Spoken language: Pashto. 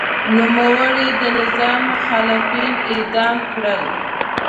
نوموړي د نظام مخالفین اعدام کړل.